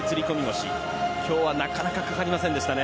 腰が今日は、なかなかかかりませんでしたね。